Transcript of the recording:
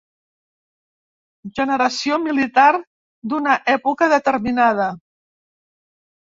Generació militar d'una època determinada.